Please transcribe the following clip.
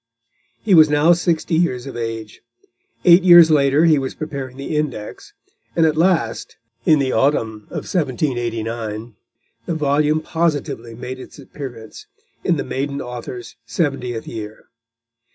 He was now sixty years of age. Eight years later he was preparing the Index, and at last, in the autumn of 1789, the volume positively made its appearance, in the maiden author's seventieth year.